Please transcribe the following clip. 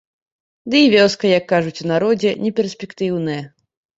Ды і вёска, як кажуць у народзе, неперспектыўная.